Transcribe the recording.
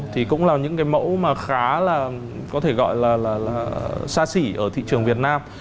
thì cũng là những cái mẫu mà khá là có thể gọi là xa xỉ ở thị trường việt nam